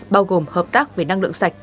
bao gồm hợp tác về năng lượng sạch